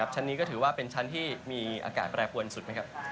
ชั้นนี้ก็ถือว่าเป็นชั้นที่มีอากาศแปรปวนสุดไหมครับ